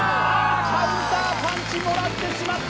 カウンターパンチもらってしまった！